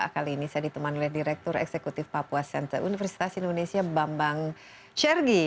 kali ini saya diteman oleh direktur eksekutif papua center universitas indonesia bambang shergi